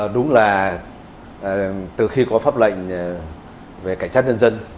đúng là từ khi có pháp lệnh về cảnh sát nhân dân